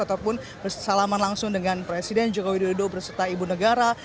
ataupun bersalaman langsung dengan presiden joko widodo berserta ibu negara